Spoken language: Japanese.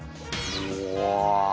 うわ。